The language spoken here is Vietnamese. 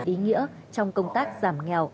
ý nghĩa trong công tác giảm nghèo